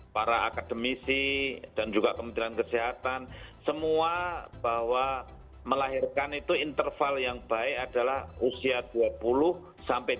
para akademisi dan juga kementerian kesehatan semua bahwa melahirkan itu interval yang baik adalah usia dua puluh sampai dua puluh